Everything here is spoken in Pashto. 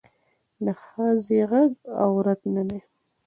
د ښخي غږ عورت نه دی